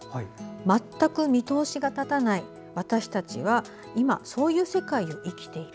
「全く見通しが立たない、私たちは今、そういう世界を生きている」。